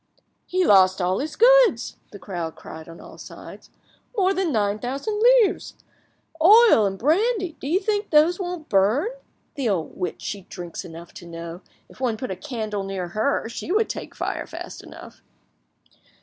"He lost all his goods!" the crowd cried on all sides. "More than nine thousand livres! Oil and brandy, do you think those won't burn? The old witch, she drinks enough to know! If one put a candle near her she would take fire, fast enough!"